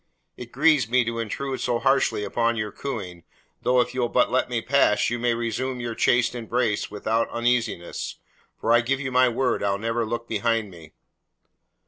It grieves me to intrude myself so harshly upon your cooing, though if you'll but let me pass you may resume your chaste embrace without uneasiness, for I give you my word I'll never look behind me."